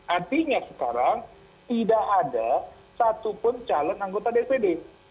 artinya sekarang tidak ada satu pun calon anggota dpd